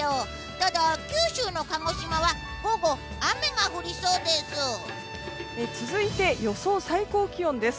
ただ、九州の鹿児島は午後、雨が降りそうです。